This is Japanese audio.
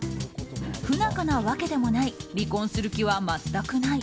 不仲なわけでもない離婚する気は全くない。